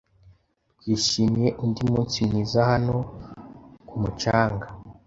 Twishimiye undi munsi mwiza hano ku mucanga.